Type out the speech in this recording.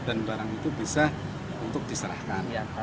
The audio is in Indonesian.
dan barang itu bisa untuk diserahkan